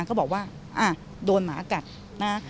ก็บอกว่าอ่ะโดนหมากัดนะฮะ